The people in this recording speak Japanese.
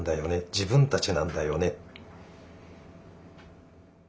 自分たちなんだよね。